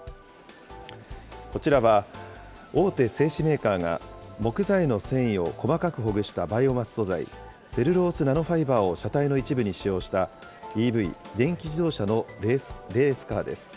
こちらは大手製紙メーカーが木材の繊維を細かくほぐしたバイオマス素材、セルロースナノファイバーを車体の一部に使用した、ＥＶ・電気自動車のレースカーです。